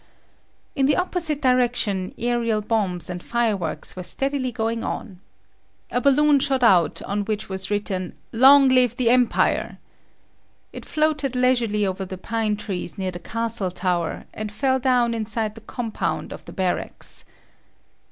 In the opposite direction, aerial bombs and fire works were steadily going on. A balloon shot out on which was written "Long Live the Empire!" It floated leisurely over the pine trees near the castle tower, and fell down inside the compound of the barracks.